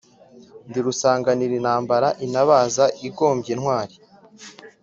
Ndi rusanganirantambara intabaza igombye intwali,